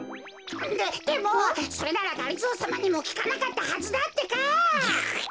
ででもそれならがりぞーさまにもきかなかったはずだってか！